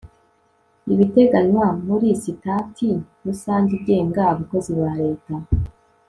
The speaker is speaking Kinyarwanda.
ibiteganywa muri sitati rusange igenga abakozi ba leta